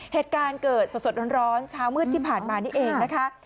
เหตุการณ์เกิดสดร้อนเช้ามืดที่ผ่านมานี่เองนะคะ